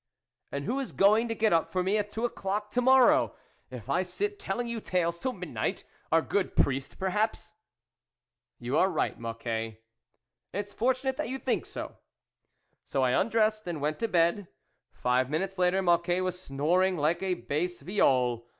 " And who is going to get up for me at two o'clock to morrow, if I sit telling you tales till midnight ? Our good priest, perhaps ?"" You are right, Mocquet." " It's fortunate you think so !" So I undressed and went to bed. Five minutes later Mocquet was snoring like a bass viol.